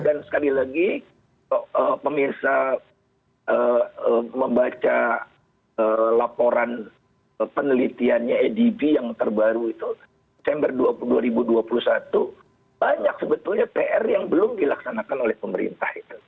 dan sekali lagi pemirsa membaca laporan penelitiannya edb yang terbaru itu september dua ribu dua puluh satu banyak sebetulnya pr yang belum dilaksanakan oleh pemerintah itu